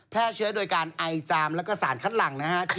แพร่เชื้อโดยการไอจามแล้วก็สารคัดหลังนะฮะ